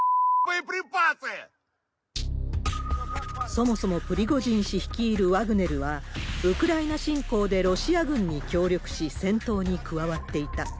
そもそもプリゴジン氏率いるワグネルは、ウクライナ侵攻でロシア軍に協力し、戦闘に加わっていた。